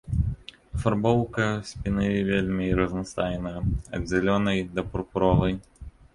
Афарбоўка спіны вельмі разнастайная, ад зялёнай, да пурпуровай.